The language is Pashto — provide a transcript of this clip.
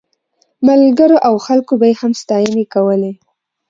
ملګرو او خلکو به یې هم ستاینې کولې.